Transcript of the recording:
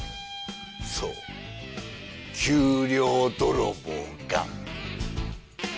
そう給料泥棒が。